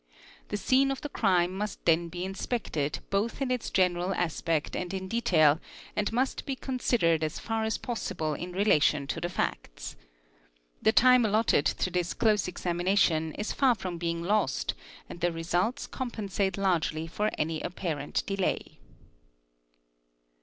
The scene of the crime must then be inspected both in its general aspect and in detail and must be considered as far as possible in relation to the facts. he time allotted to this close examination is far from being lost and the results compensate largely for any apparent delay.